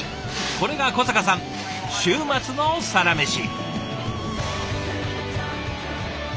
これが小坂さん週末のサラメシ。